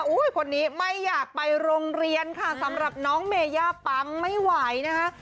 คนนี้ไม่อยากไปโรงเรียนค่ะสำหรับน้องเมย่าปังไม่ไหวนะคะ